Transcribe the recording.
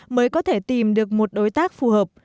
mới có thể tìm được một đối tác phù hợp